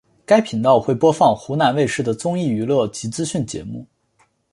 该频道会播放湖南卫视的综艺娱乐及资讯节目。